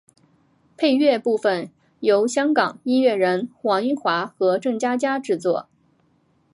配乐部分由香港音乐人黄英华和郑嘉嘉制作。